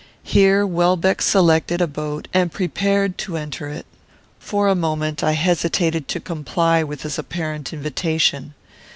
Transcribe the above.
Here Welbeck selected a boat and prepared to enter it. For a moment I hesitated to comply with his apparent invitation.